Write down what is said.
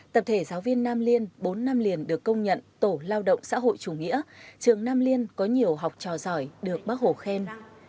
tập thể giáo viên nam liên bốn năm liền được công nhận tổ lao động xã hội chủ nghĩa trường nam liên có nhiều học trò giỏi được bác hồ khen